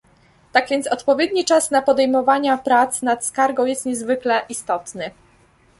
Tak więc odpowiedni czas podejmowania prac nad skargą jest niezwykle istotny